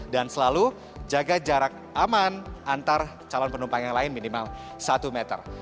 dan selalu jaga jarak aman antar calon penumpang yang lain minimal satu meter